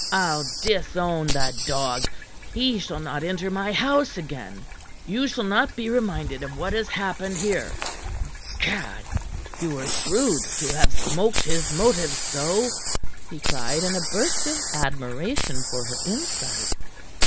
"I'll disown the dog. He shall not enter my house again. You shall not be reminded of what has happened here. Gad! You were shrewd to have smoked his motives so!" he cried in a burst of admiration for her insight.